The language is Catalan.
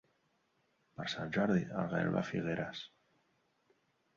Per Sant Jordi en Gaël va a Figueres.